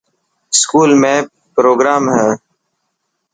اسڪول ۾ پروگرام هي.